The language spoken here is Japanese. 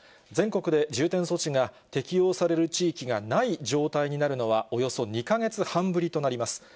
全国で重点措置が適用される地域がない状態になるのは、およそ２か月半ぶりとなります。